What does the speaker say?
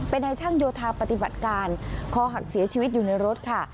เป็นนายช่างโยธาปฏิบัติการคอหักเสียชีวิตอยู่ในรถค่ะ